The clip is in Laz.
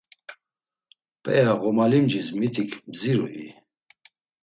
P̌ea ğomalimcis mitik mzirui?